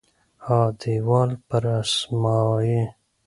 ها دیوال پر اسمایي